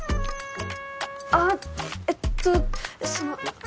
あっえっとその。